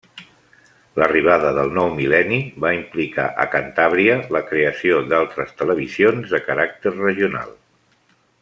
L'arribada del nou mil·lenni va implicar a Cantàbria la creació d'altres televisions de caràcter regional.